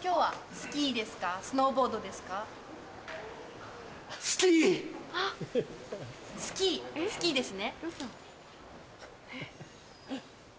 スキースキーですね？